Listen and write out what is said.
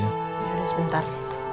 ya udah sebentar